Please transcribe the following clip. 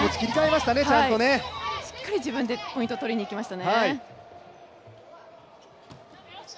しっかり自分でポイントを取りにいきましたね。